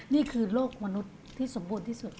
นี่คือโลกมนุษย์ที่สมบูรณ์ที่สุด